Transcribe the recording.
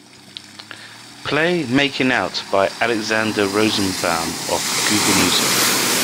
Play Making Out by Alexander Rosenbaum off Google Music.